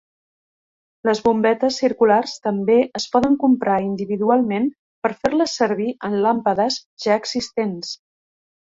Les bombetes circulars també es poden comprar individualment per fer-les servir en làmpades ja existents.